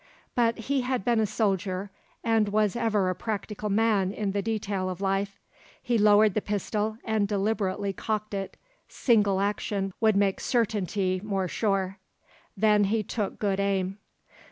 But he had been a soldier, and was ever a practical man in the detail of life. He lowered the pistol and deliberately cocked it; single action would make certainty more sure; then he took good aim.